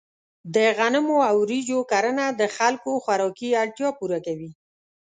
د غنمو او وریجو کرنه د خلکو خوراکي اړتیا پوره کوي.